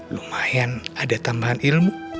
lumayan ada tambahan ilmu